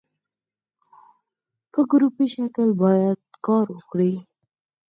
په ګروپي شکل باید کار وکړي.